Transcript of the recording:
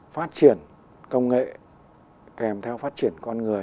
phát triển công nghệ kèm theo phát triển con người